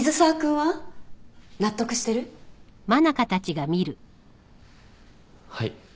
はい。